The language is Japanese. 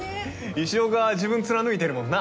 石岡は自分貫いてるもんな。